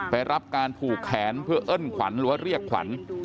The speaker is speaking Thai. รับการผูกแขนเพื่อเอิ้นขวัญหรือว่าเรียกขวัญ